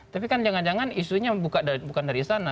tapi kan jangan jangan isunya bukan dari istana